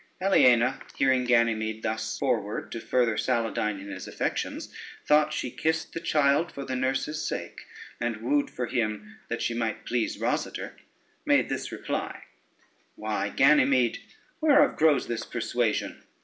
Aliena, hearing Ganymede thus forward to further Saladyne in his affections, thought she kissed the child for the nurse's sake, and wooed for him that she might please Rosader, made this reply: "Why, Ganymede, whereof grows this persuasion?